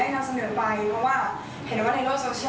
เพราะว่าเห็นว่าในโลกโซเชียลเนี่ย